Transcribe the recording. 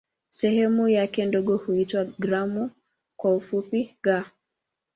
Sehemu yake ndogo huitwa "gramu" kwa kifupi "g".